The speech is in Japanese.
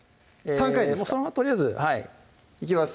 そのままとりあえずはいいきます